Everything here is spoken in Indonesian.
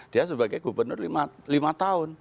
dia sebagai gubernur lima tahun